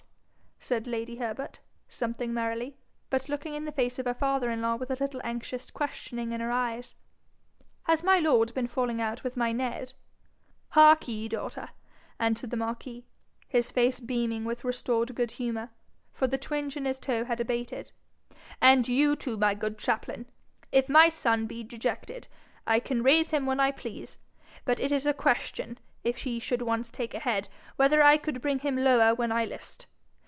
said lady Herbert, something merrily, but looking in the face of her father in law with a little anxious questioning in her eyes, 'has my lord been falling out with my Ned?' 'Hark ye, daughter!' answered the marquis, his face beaming with restored good humour, for the twinge in his toe had abated, 'and you too, my good chaplain! if my son be dejected, I can raise him when I please; but it is a question, if he should once take a head, whether I could bring him lower when I list.